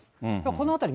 この辺り、